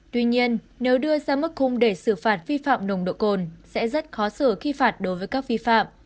tuy nhiên nếu đưa ra mức khung để xử phạt vi phạm nồng độ cồn sẽ rất khó xử khi phạt đối với các vi phạm